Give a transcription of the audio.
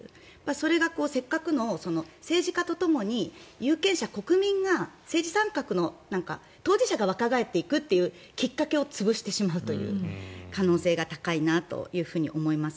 それがせっかくの政治家とともに有権者、国民が政治参画の当事者が若返っていくというきっかけを潰してしまうという可能性が高いなと思います。